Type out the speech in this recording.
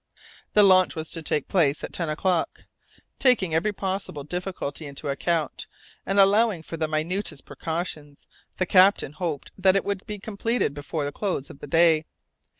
The launch was to take place at ten o'clock. Taking every possible difficulty into account, and allowing for the minutest precautions, the captain hoped that it would be completed before the close of the day.